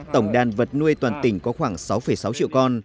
tổng đàn vật nuôi toàn tỉnh có khoảng sáu sáu triệu con